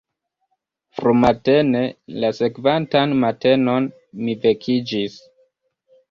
Frumatene la sekvantan matenon mi vekiĝis.